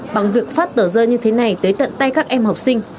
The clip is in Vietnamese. bằng việc phát tờ rơi như thế này tới tận tay các em học sinh